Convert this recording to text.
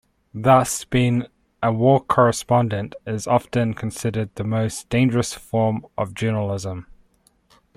Thus, being a war correspondent is often considered the most dangerous form of journalism.